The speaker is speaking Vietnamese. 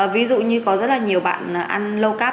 ví dụ như có rất là nhiều bạn ăn low carb